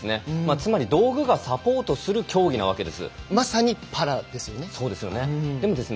つまり道具がサポートする競技ですよ。